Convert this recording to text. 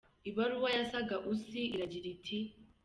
Ibaruwa ya Saga Assou iragira iti:.